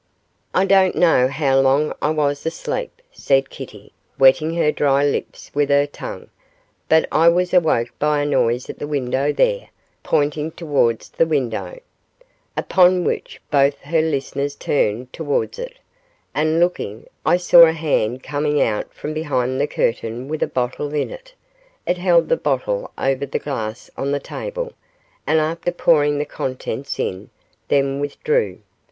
'I don't know how long I was asleep,' said Kitty, wetting her dry lips with her tongue, 'but I was awoke by a noise at the window there,' pointing towards the window, upon which both her listeners turned towards it, 'and looking, I saw a hand coming out from behind the curtain with a bottle in it; it held the bottle over the glass on the table, and after pouring the contents in, then withdrew.